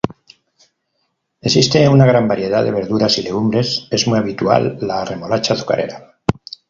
Existe una gran variedad de verduras y legumbres, es muy habitual la remolacha azucarera.